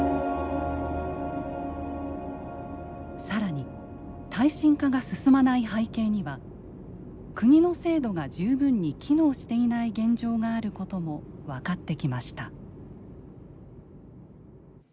さらに耐震化が進まない背景には国の制度が十分に機能していない現状があることも分かってきました。